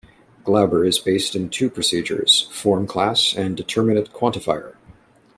Glauber is based in two procedures: Form-Class and Determine-Quantifier.